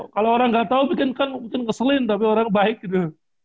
kalau orang gak tau mungkin kan keselin tapi orang baik gitu